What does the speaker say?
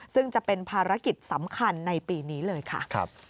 ซึ่งจะเป็นภารกิจสำคัญในปีนี้เลยค่ะ